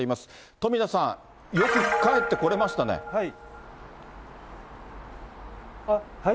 富田さん、よく帰ってこれましたはい？